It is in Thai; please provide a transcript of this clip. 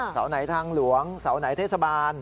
เสาไหนทางหลวงเสาไหนเทศบาล